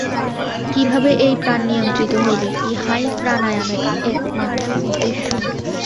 কিভাবে এই প্রাণ নিয়ন্ত্রিত হইবে, ইহাই প্রাণায়ামের একমাত্র উদ্দেশ্য।